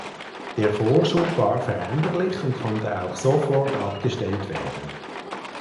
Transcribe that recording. Der Vorschub war veränderlich und konnte auch sofort abgestellt werden.